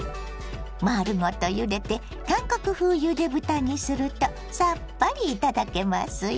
丸ごとゆでて韓国風ゆで豚にするとさっぱり頂けますよ。